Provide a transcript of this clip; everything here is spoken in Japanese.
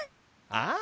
ああ。